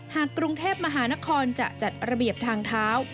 หากกรุงเทพมหานครจะจัดระเบียบทางเท้า